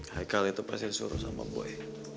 haikal itu pasti disuruh sama buaya